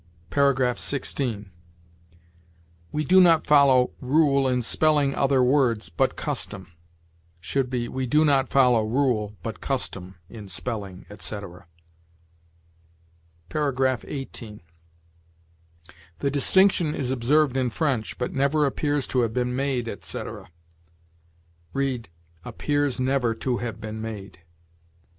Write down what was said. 16. "We do not follow rule in spelling other words, but custom"; should be, "we do not follow rule, but custom, in spelling," etc. 18. "The distinction is observed in French, but never appears to have been made," etc.; read, "appears never to have been made."